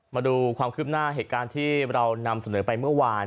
มาดูความคืบหน้าเหตุการณ์ที่เรานำเสนอไปเมื่อวาน